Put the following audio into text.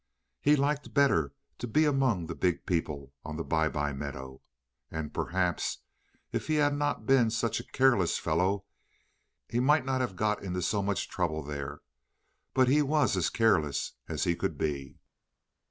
He liked better to be among the big people on the Bye bye Meadow. And perhaps if he had not been such a careless fellow he might not have got into so much trouble there; but he was as careless as he could be.